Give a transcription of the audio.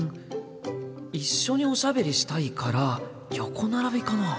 一緒におしゃべりしたいから横並びかな。